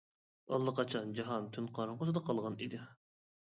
ئاللىقاچان جاھان تۈن قاراڭغۇسىدا قالغان ئىدى.